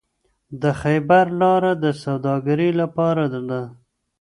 د خیبر لاره د سوداګرۍ لپاره ده.